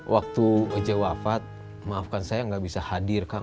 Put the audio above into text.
waktu oce wafat maafkan saya gak bisa hadir kang